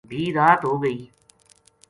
بھی رات ہو گئی